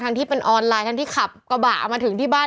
ที่เป็นออนไลน์ทั้งที่ขับกระบะเอามาถึงที่บ้าน